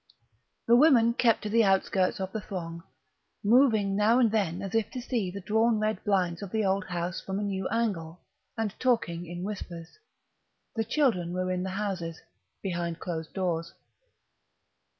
The women kept to the outskirts of the throng, moving now and then as if to see the drawn red blinds of the old house from a new angle, and talking in whispers. The children were in the houses, behind closed doors.